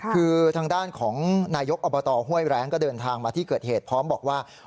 คือทางด้านของนายกอบตห้วยแรงก็เดินทางมาที่เกิดเหตุพร้อมบอกว่า